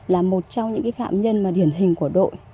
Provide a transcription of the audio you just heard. là một trong những phạm nhân mà điển hình của đội